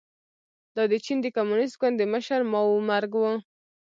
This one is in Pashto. دا د چین د کمونېست ګوند د مشر ماوو مرګ و.